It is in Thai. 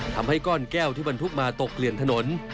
ทำให้ก้อนแก้วที่บรรทุกมาตกเกลื่อนถนน